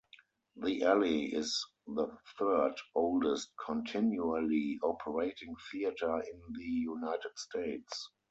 The Alley is the third oldest continually operating theatre in the United States.